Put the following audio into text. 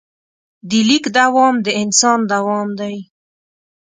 د لیک دوام د انسان دوام دی.